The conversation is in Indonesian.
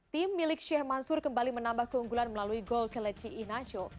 tim milik sheikh mansour kembali menambah keunggulan melalui gol kelechi inacho